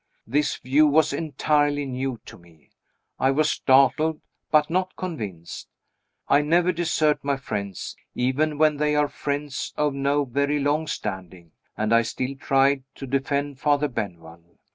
This view was entirely new to me; I was startled, but not convinced. I never desert my friends even when they are friends of no very long standing and I still tried to defend Father Benwell.